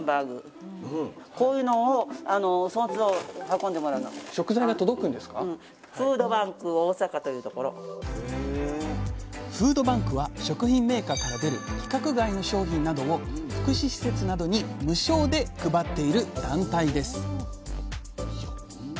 学校の冷凍庫をのぞくとフードバンクは食品メーカーから出る規格外の商品などを福祉施設などに無償で配っている団体です